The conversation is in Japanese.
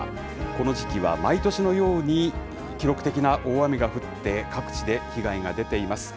この時期は毎年のように、記録的な大雨が降って、各地で被害が出ています。